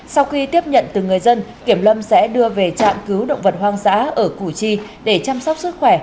sau khi tiếp nhận từ người dân kiểm lâm sẽ đưa về trạm cứu động vật hoang dã ở củ chi để chăm sóc sức khỏe